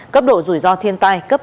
cấp độ rủi ro thiên tai cấp ba